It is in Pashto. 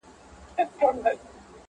• زما ښکلې لمسۍ مُنانۍ -